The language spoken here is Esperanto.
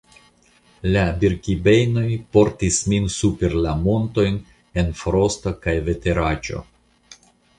La Birkibejnoj portis min super la montojn en frosto kaj veteraĉo.